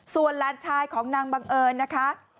ส่วนหลานชายของนางบังเอิญนะคะ